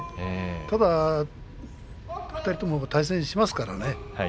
ただ２人とも対戦しますからね。